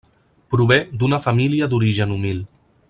Prové d'una família d'origen humil.